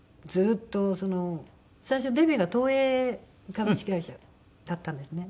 最初デビューが東映株式会社だったんですね。